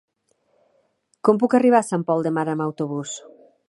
Com puc arribar a Sant Pol de Mar amb autobús?